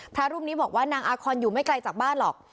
พระรูปนี้บอกว่านางอาคอนอยู่ไม่ไกลจากบ้านหรอก